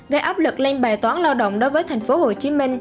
gây áp lực lên bài toán lao động đối với tp hcm